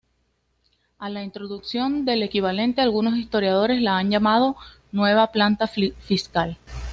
A la introducción del equivalente algunos historiadores la han llamado "Nueva Planta" fiscal.